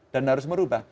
dan harus merubah